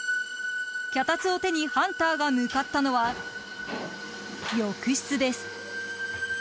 脚立を手にハンターが向かったのは浴室です。